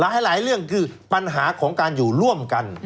หลายเรื่องคือปัญหาของการอยู่ร่วมกัน